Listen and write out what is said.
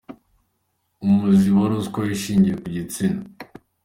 Umuzi wa ruswa ishingiye ku gitsina….